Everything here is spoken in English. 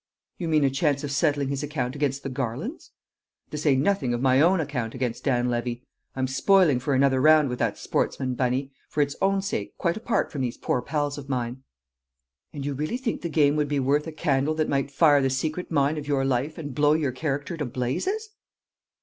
"You mean a chance of settling his account against the Garlands?" "To say nothing of my own account against Dan Levy! I'm spoiling for another round with that sportsman, Bunny, for its own sake quite apart from these poor pals of mine." "And you really think the game would be worth a candle that might fire the secret mine of your life and blow your character to blazes?"